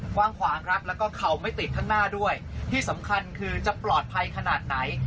กว้างขวางครับแล้วก็เข่าไม่ติดข้างหน้าด้วยที่สำคัญคือจะปลอดภัยขนาดไหน